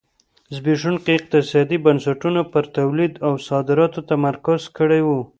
زبېښونکو اقتصادي بنسټونو پر تولید او صادراتو تمرکز کړی و.